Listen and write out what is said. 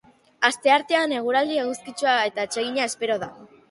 Asteartean eguraldi eguzkitsua eta atsegina espero da.